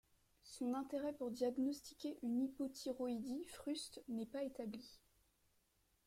Son intérêt pour diagnostiquer une hypothyroïdie fruste n’est pas établi.